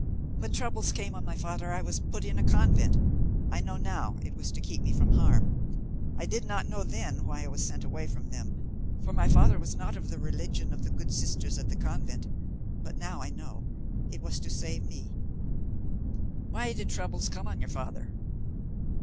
When troubles came on my father, I was put in a convent I know now it was to keep me from harm. I did not know then why I was sent away from them, for my father was not of the religion of the good sisters at the convent, but now I know it was to save me." "Why did troubles come on your father?"